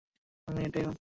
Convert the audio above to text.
আমিও এটাই ভাবছি।